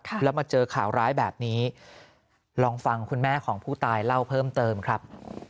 แล้วมาเจอข่าวร้ายแบบนี้ลองฟังคุณแม่ของผู้ตายเล่าเพิ่มเติมครับ